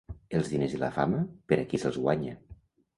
Els diners i la fama, per a qui se'ls guanya.